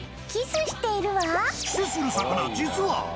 キスする魚、実は。